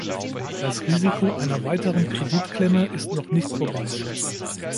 Das Risiko einer weiteren "Kreditklemme" ist noch nicht vorbei.